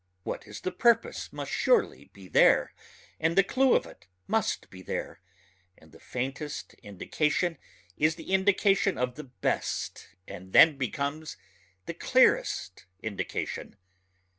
What is the purpose must surely be there and the clue of it must be there ... and the faintest indication is the indication of the best and then becomes the clearest indication.